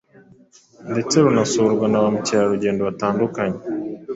ndetse runasurwa na ba mukerarugendo batandukanye.